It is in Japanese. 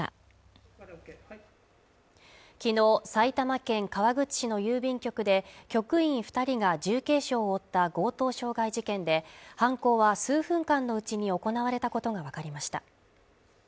きのう埼玉県川口市の郵便局で局員二人が重軽傷を負った強盗傷害事件で犯行は数分間のうちに行われたことが分かりました